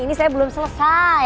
ini saya belum selesai